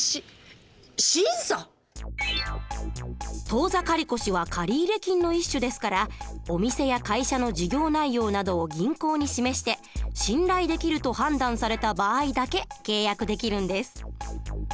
当座借越は借入金の一種ですからお店や会社の事業内容などを銀行に示して「信頼できる」と判断された場合だけ契約できるんです。